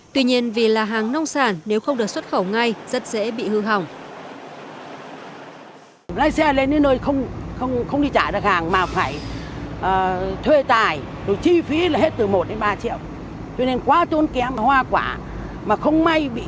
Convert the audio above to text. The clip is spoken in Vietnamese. tuy nhiên vì là hàng nông sản nếu không được xuất khẩu ngay rất dễ bị hư hỏng